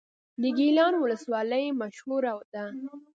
د ګیلان ولسوالۍ مشهوره ده